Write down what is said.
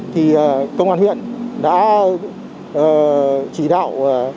thì công an huyện đã chỉ đạo